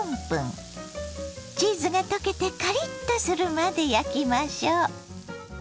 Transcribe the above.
チーズが溶けてカリッとするまで焼きましょ。